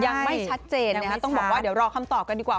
ยังไม่ชัดเจนนะคะต้องบอกว่าเดี๋ยวรอคำตอบกันดีกว่า